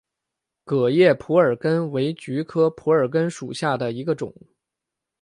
革叶蒲儿根为菊科蒲儿根属下的一个种。